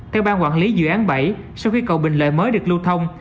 theo ban quản lý dự án bảy sau khi cầu bình lợi mới được lưu thông